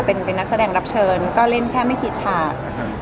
เป็นนักแสดงรับเชิญก็เล่นแค่ไม่กี่ฉาก